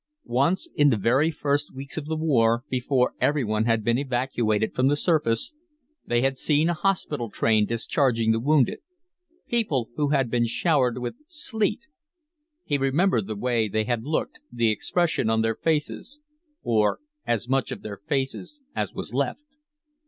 Once in the very first weeks of the war, before everyone had been evacuated from the surface, they had seen a hospital train discharging the wounded, people who had been showered with sleet. He remembered the way they had looked, the expression on their faces, or as much of their faces as was left.